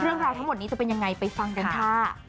เรื่องราวทั้งหมดนี้จะเป็นยังไงไปฟังกันค่ะ